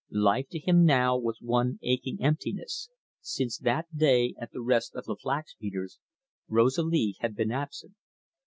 Life to him now was one aching emptiness since that day at the Rest of the Flax beaters Rosalie had been absent.